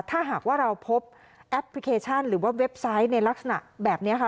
ถ้าหากว่าเราพบแอปพลิเคชันหรือว่าเว็บไซต์ในลักษณะแบบนี้ค่ะ